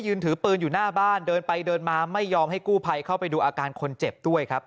ถือปืนอยู่หน้าบ้านเดินไปเดินมาไม่ยอมให้กู้ภัยเข้าไปดูอาการคนเจ็บด้วยครับ